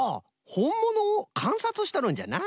ほんものをかんさつしとるんじゃな。